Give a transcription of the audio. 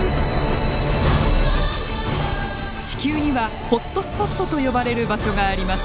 地球にはホットスポットと呼ばれる場所があります。